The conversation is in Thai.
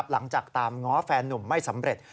หลังจากตามง้อแฟนนุ่มไม่สำเร็จ